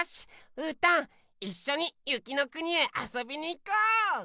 うーたんいっしょにゆきのくにへあそびにいこう！